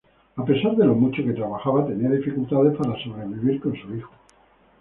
A pesar de lo mucho que trabajaba tenía dificultades para sobrevivir con su hijo.